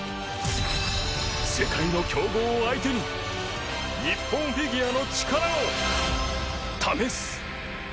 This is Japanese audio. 世界の強豪を相手に日本フィギュアの力を試す。